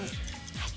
はい。